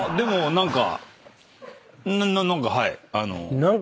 何か。